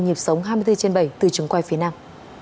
nhịp sống hai mươi bốn trên bảy từ trường quay phía nam